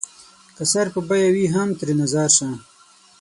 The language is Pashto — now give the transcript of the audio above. که سر په بيه وي هم ترېنه ځار شــــــــــــــــــه